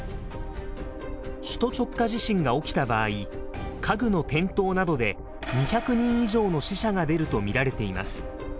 首都直下地震が起きた場合家具の転倒などで２００人以上の死者が出ると見られています。